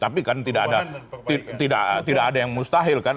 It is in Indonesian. tapi kan tidak ada yang mustahil kan